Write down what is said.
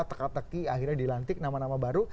teka teki akhirnya dilantik nama nama baru